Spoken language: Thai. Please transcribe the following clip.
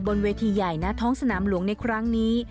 บนเวทีใหญ่ณท้องสนามหลวงในครั้งนี้